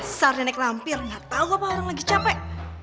asal renek lampir gak tau apa orang lagi capek